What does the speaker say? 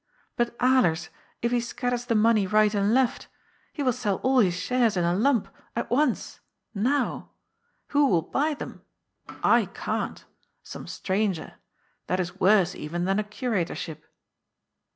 " But, Alers, if he scatters the money right and left ? He will sell all his shares in a lump— at once— now ? Who will buy them ! I can't. Some stranger. That is worse even than a curatorship."